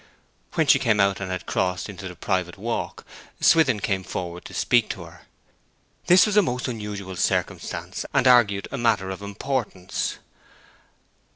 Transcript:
When she came out and had crossed into the private walk, Swithin came forward to speak to her. This was a most unusual circumstance, and argued a matter of importance.